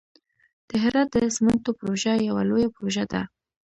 د هرات د سمنټو پروژه یوه لویه پروژه ده.